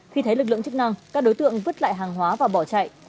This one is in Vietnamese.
khi thấy lực lượng chức năng các đối tượng vứt lại hàng hóa và bỏ chạy